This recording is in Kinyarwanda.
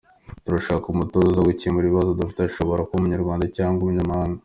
Turashaka umutoza uza gukemura ibibazo dufite, ashobora kuba Umunyarwanda cyangwa umunyamahanga.